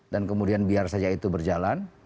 dan kemudian biar saja itu berjalan